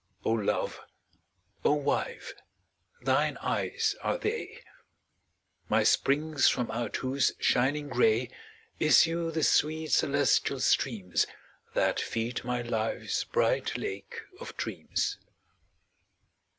O Love, O Wife, thine eyes are they, My springs from out whose shining gray Issue the sweet celestial streams That feed my life's bright Lake of Dreams.